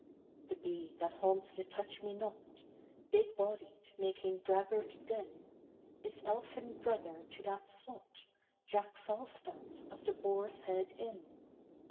The bee, that haunts the touch me not, Big bodied, making braggart din, Is elfin brother to that sot, Jack Falstaff of the Boar's Head Inn.